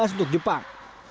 enam sebelas untuk jepang